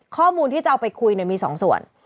ข้อมูลที่จะเอาไปคุยเนี่ยมีสองส่วน